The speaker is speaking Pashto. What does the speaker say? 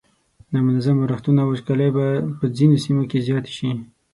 نامنظم ورښتونه او وچکالۍ به په ځینو سیمو کې زیاتې شي.